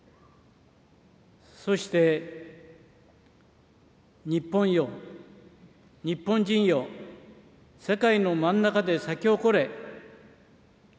そして、日本よ、日本人よ、世界の真ん中で咲きほこれ。